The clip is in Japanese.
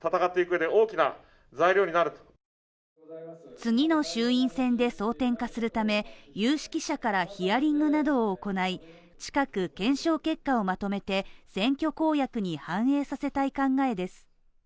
次の衆院選で争点化するため、有識者からヒアリングなどを行い、近く、検証結果をまとめて選挙公約に反映させたい考えです。